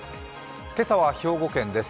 今朝は兵庫県です。